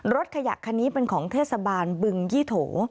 รถขยะคันนี้เป็นของเทศบาลบึงยี่โถ